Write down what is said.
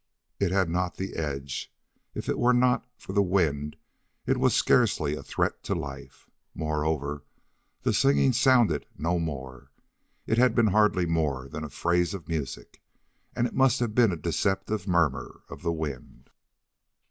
It had not the edge. If it were not for the wind it was scarcely a threat to life. Moreover, the singing sounded no more. It had been hardly more than a phrase of music, and it must have been a deceptive murmur of the wind.